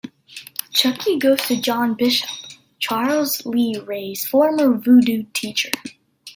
Chucky goes to John Bishop, Charles Lee Ray's former voodoo teacher.